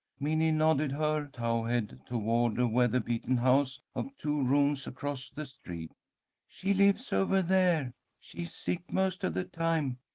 Minnie nodded her towhead toward a weather beaten house of two rooms across the street. "She lives over there. She's sick most of the time.